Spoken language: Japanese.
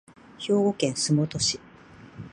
兵庫県洲本市